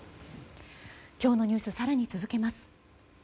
今日のニュース更に続けます。